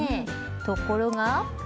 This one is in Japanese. ところが。